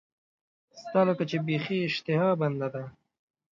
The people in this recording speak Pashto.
ستا لکه چې بیخي اشتها بنده ده.